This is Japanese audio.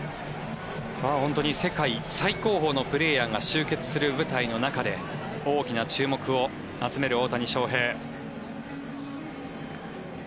本当に世界最高峰のプレーヤーが集結する舞台の中で大きな注目を集める大谷翔平。